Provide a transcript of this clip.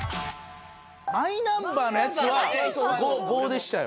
マイナンバーのやつは５でしたよ。